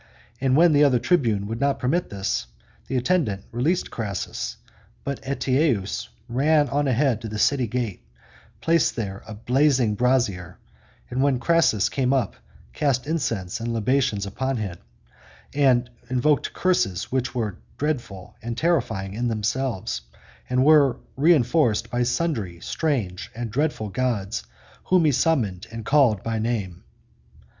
And when the other tribunes would not permit this, the attendant released Crassus, but Ateius ran on ahead to the city gate, placed there a blazing brazier, and when Crassus came up, cast incense and libations upon it, and invoked curses which were dreadful and terrifying in themselves, and were re inforced by sundry strange and dreadful gods whom he summoned and called by name.